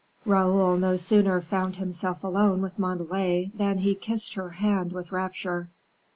Raoul no sooner found himself alone with Montalais, than he kissed her hand with rapture.